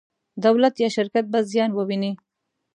دولت یا شرکت به زیان وویني.